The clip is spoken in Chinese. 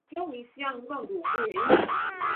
因而受到人们的欢迎。